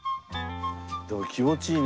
でも気持ちいいね。